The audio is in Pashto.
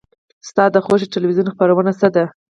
ستا د خوښې تلویزیون خپرونه څه ده؟